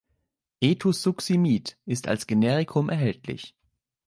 Ethosuximid ist als Generikum erhältlich.